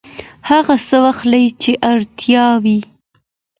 هغه څه واخلئ چې اړتیا وي.